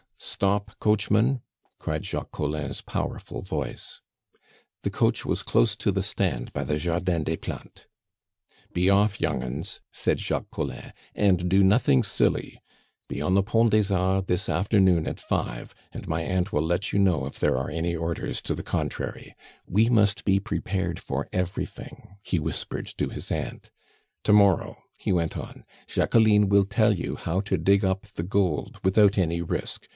"Stop, coachman!" cried Jacques Collin's powerful voice. The coach was close to the stand by the Jardin des Plantes. "Be off, young 'uns," said Jacques Collin, "and do nothing silly! Be on the Pont des Arts this afternoon at five, and my aunt will let you know if there are any orders to the contrary. We must be prepared for everything," he whispered to his aunt. "To morrow," he went on, "Jacqueline will tell you how to dig up the gold without any risk.